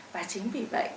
và chính vì vậy